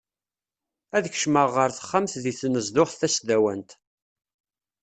Ad kecmeɣ ɣer texxamt deg tnezduɣt tasdawant.